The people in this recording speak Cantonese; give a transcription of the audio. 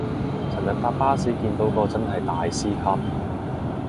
尋日搭巴士見到個真係大師級